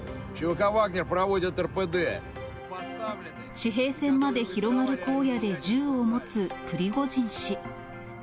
地平線まで広がる荒野で銃を持つプリゴジン氏。